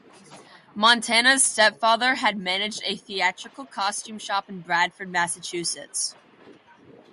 Montana's stepfather had managed a theatrical costume shop in Bradford, Massachusetts.